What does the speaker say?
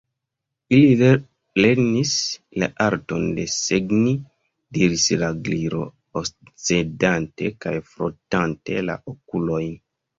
"Ili lernis la arton desegni," diris la Gliro, oscedante kaj frotante la okulojn.